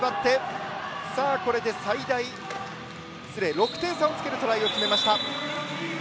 ６点差をつけるトライを決めました。